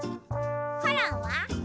コロンは？